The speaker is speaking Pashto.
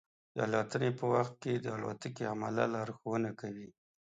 د الوتنې په وخت کې د الوتکې عمله لارښوونه کوي.